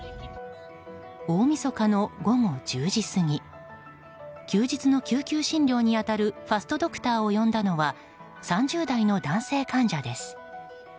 大みそかの午後１０時過ぎ休日の救急診療に当たるファストドクターを呼んだのは３０代の男性患者です。